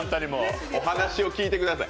お話を聞いてください。